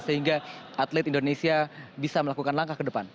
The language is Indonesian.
sehingga atlet indonesia bisa melakukan langkah ke depan